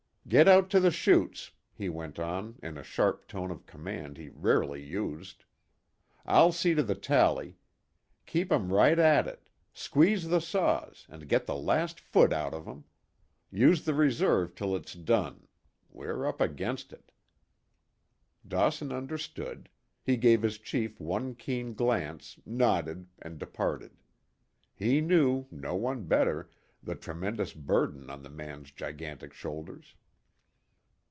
"Get out to the shoots," he went on, in a sharp tone of command he rarely used. "I'll see to the tally. Keep 'em right at it. Squeeze the saws, and get the last foot out of 'em. Use the reserve till it's done. We're up against it." Dawson understood. He gave his chief one keen glance, nodded and departed. He knew, no one better, the tremendous burden on the man's gigantic shoulders.